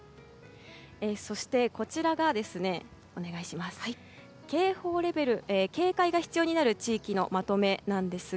そして、こちらが警戒が必要になる地域のまとめです。